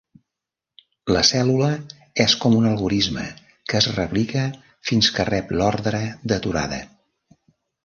La cèl·lula és com un algorisme que es replica fins que rep l'ordre d'aturada.